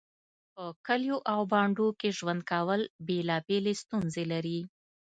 په کليو او بانډو کې ژوند کول بيلابيلې ستونزې لري